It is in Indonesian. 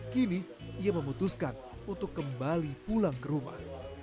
kini ia memutuskan untuk kembali pulang ke rumah